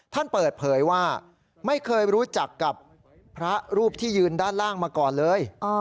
ท่านเปิดเผยว่าไม่เคยรู้จักกับพระรูปที่ยืนด้านล่างมาก่อนเลย